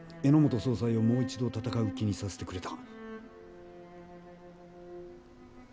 榎本総裁をもう一度戦う気にさせてくれた。